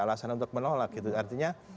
alasan untuk menolak artinya